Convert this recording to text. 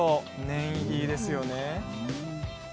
念入りですよね。